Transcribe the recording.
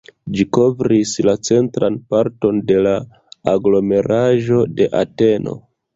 Ĝi kovris la centran parton de la aglomeraĵo de Ateno.